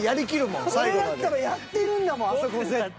俺だったらやってるんだもんあそこ絶対。